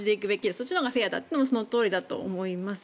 そっちのほうがフェアだというのもそのとおりだと思います。